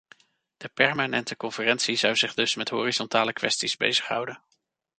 De permanente conferentie zou zich dus met horizontale kwesties bezighouden.